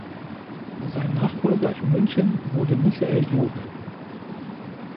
Sein Nachfolger in München wurde Michael Job.